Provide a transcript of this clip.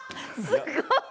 すごい！